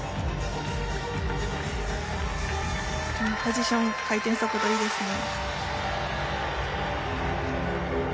ポジション回転速度いいですね。